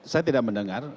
saya tidak mendengar